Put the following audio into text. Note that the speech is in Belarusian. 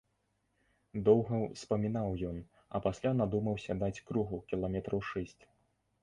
Доўга ўспамінаў ён, а пасля надумаўся даць кругу кіламетраў шэсць.